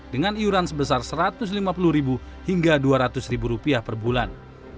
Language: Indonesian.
dengan iuran sebesar satu ratus lima puluh hingga dua ratus rupiah per bulan